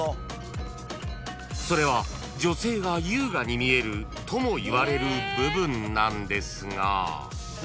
［それは女性が優雅に見えるともいわれる部分なんですが］